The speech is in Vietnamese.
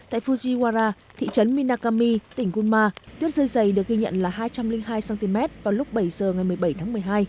tại fujiwara thị trấn minakami tỉnh gunma tuyết rơi dày được ghi nhận là hai trăm linh hai cm vào lúc bảy giờ ngày một mươi bảy tháng một mươi hai